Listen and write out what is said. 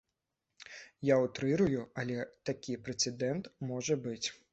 Я ўтрырую, але такі прэцэдэнт можа быць.